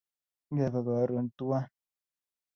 ngebe koro tuwai